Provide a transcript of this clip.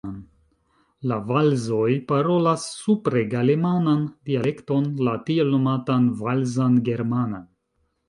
La valzoj parolas supregalemanan dialekton, la tiel nomitan valzan germanan.